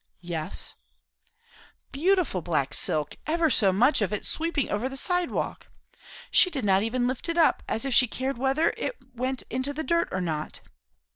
"Yes." "Beautiful black silk, ever so much of it, sweeping over the sidewalk. She did not even lift it up, as if she cared whether it went into the dirt or not."